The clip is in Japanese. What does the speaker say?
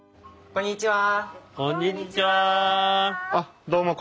こんにちは。